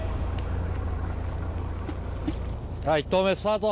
はい１投目スタート